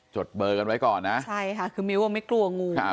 ดเบอร์กันไว้ก่อนนะใช่ค่ะคือมิ้วไม่กลัวงู